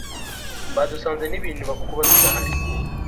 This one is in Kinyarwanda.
abadusanze ntibinuba kukuba tudahari